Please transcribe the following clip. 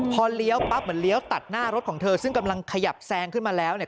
พอเลี้ยวปั๊บเหมือนเลี้ยวตัดหน้ารถของเธอซึ่งกำลังขยับแซงขึ้นมาแล้วเนี่ย